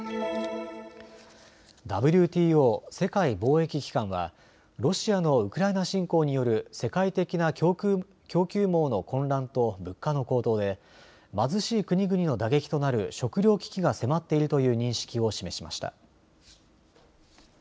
ＷＴＯ・世界貿易機関はロシアのウクライナ侵攻による世界的な供給網の混乱と物価の高騰で貧しい国々の打撃となる食糧危機が迫っているという認識を示しました。